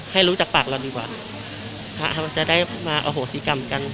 ให้รู้จากปากเราดีกว่าจะได้เอาโหศีกรรมกัน